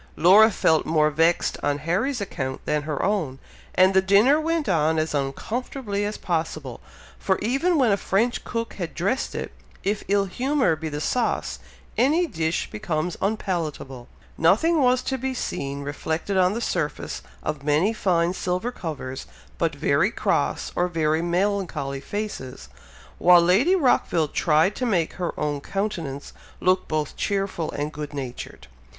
Laura felt more vexed on Harry's account than her own, and the dinner went on as uncomfortably as possible; for even when a French cook has dressed it, if ill humour be the sauce, any dish becomes unpalatable. Nothing was to be seen reflected on the surface of many fine silver covers, but very cross, or very melancholy faces; while Lady Rockville tried to make her own countenance look both cheerful and good natured.